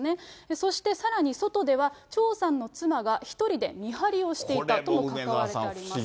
そしてさらに外では、張さんの妻が１人で見張りしていたとも書かれています。